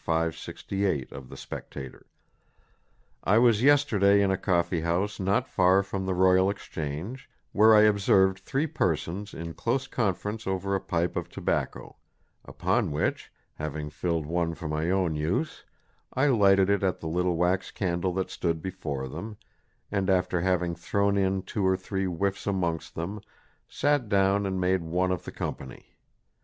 568 of the Spectator: "I was yesterday in a coffee house not far from the Royal Exchange, where I observed three persons in close conference over a pipe of tobacco; upon which, having filled one for my own use, I lighted it at the little wax candle that stood before them; and after having thrown in two or three whiffs amongst them, sat down and made one of the company.